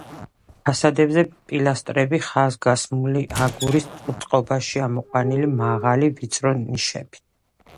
ფასადებზე პილასტრები ხაზგასმულია აგურის წყობაში ამოყვანილი მაღალი, ვიწრო ნიშებით.